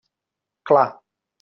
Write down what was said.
Clar.